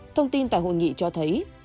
thông tin tại hội nghị cho thấy